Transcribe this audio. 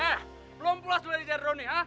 eh belum pulas lu dari daerah lu nih ha